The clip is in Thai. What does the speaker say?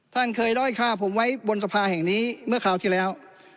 ท่านเคยด้อยฆ่าผมไว้บนสภาแห่งนี้เมื่อคราวที่แล้ว